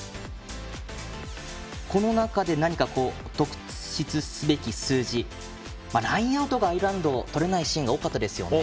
この中で、何か特筆すべき数字ラインアウトがアイルランドとれないシーンが多かったですね。